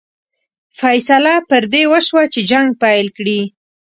فیصله پر دې وشوه چې جنګ پیل کړي.